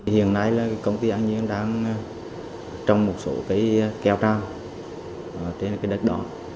hiện nay là công ty anh nhân đang trong một số cái kéo tàm trên cái đất đó